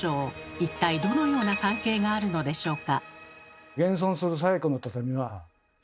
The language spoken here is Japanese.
一体どのような関係があるのでしょうか？